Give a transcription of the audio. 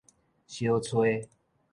小吹